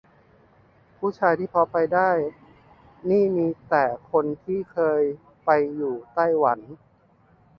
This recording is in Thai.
ผู้ชายที่พอไปได้นี่มีแต่คนที่เคยไปอยู่ไต้หวัน